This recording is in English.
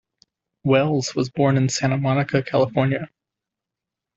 Welles was born in Santa Monica, California.